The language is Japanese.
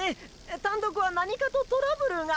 単独は何かとトラブルが。